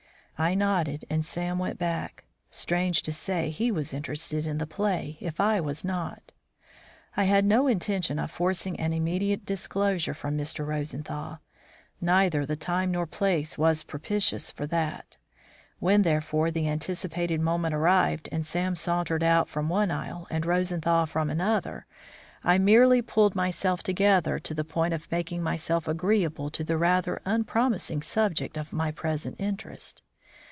I nodded and Sam went back. Strange to say, he was interested in the play, if I was not. I had no intention of forcing an immediate disclosure from Mr. Rosenthal. Neither the time nor place was propitious for that. When, therefore, the anticipated moment arrived and Sam sauntered out from one aisle and Rosenthal from another, I merely pulled myself together to the point of making myself agreeable to the rather unpromising subject of my present interest.